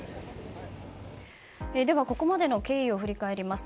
では、ここまでの経緯を振り返ります。